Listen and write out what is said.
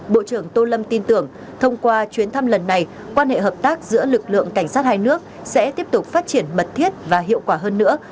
bộ trưởng tô lâm tin tưởng thông qua chuyến thăm lần này quan hệ hợp tác giữa lực lượng cảnh sát hai nước sẽ tiếp tục phát triển mật thiết và hiệu quả hơn nữa